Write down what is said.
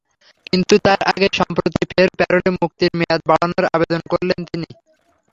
কিন্তু তার আগেই সম্প্রতি ফের প্যারোলে মুক্তির মেয়াদ বাড়ানোর আবেদন করলেন তিনি।